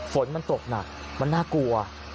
ฝนมันตกหนักมันน่ากลัว